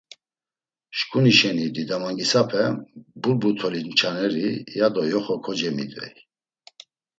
Şǩuni şeni Didamangisape, burbu toli nçaneri, ya do yoxo kocemidvey.